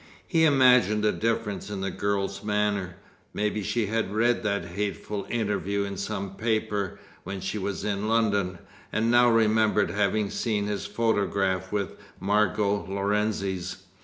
He imagined a difference in the girl's manner. Maybe she had read that hateful interview in some paper, when she was in London, and now remembered having seen his photograph with Margot Lorenzi's.